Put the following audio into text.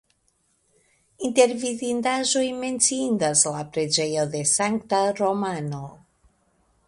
Inter vidindaĵoj menciindas la preĝejo de Sankta Romano.